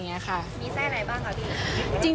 มีไส้อะไรบ้างคะพี่